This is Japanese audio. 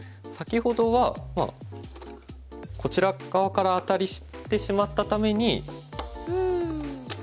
先ほどはこちら側からアタリしてしまったために。